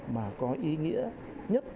mà có ý nghĩa nhất